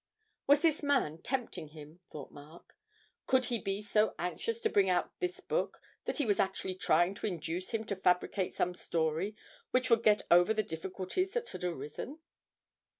Was this man tempting him, thought Mark. Could he be so anxious to bring out this book that he was actually trying to induce him to fabricate some story which would get over the difficulties that had arisen?